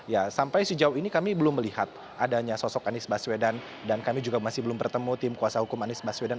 ya sampai sejauh ini kami belum melihat adanya sosok anies baswedan dan kami juga masih belum bertemu tim kuasa hukum anies baswedan